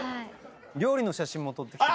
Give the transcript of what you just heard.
料理の写真も撮って来て。